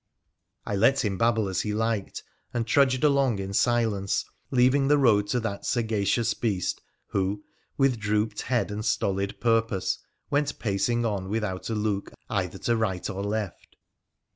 I let him babble as he liked, and trudged along in silence, leaving the road to that sagacious beast, who, with drooped head and stolid purpose, went pacing on without a look either to right or left.